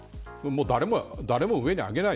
誰も上に上げない。